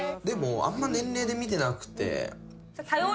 でもあんま年齢で見てなくて。